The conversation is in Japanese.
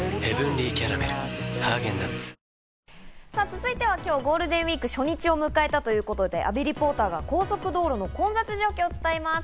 続いては今日ゴールデンウイーク初日を迎えたということで阿部リポーターが高速道路の混雑状況を伝えます。